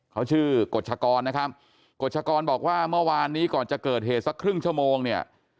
เขาชื่อกฎชกรนะครับกฎชกรบอกว่าเมื่อวานนี้ก่อนจะเกิดเหตุสักครึ่งชั่วโมงเนี่ย